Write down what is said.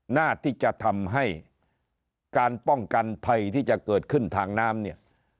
หน้าที่จะทำให้การป้องกันภัยที่จะเกิดขึ้นทางน้ำเนี่ย